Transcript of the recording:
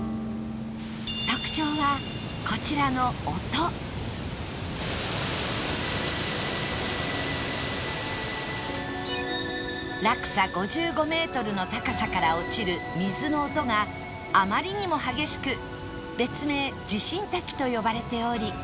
特徴はこちらの音落差５５メートルの高さから落ちる水の音があまりにも激しく別名「地震滝」と呼ばれており